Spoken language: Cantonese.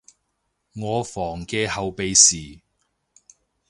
我房嘅後備匙